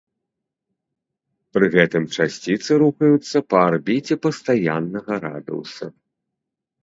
Пры гэтым часціцы рухаюцца па арбіце пастаяннага радыуса.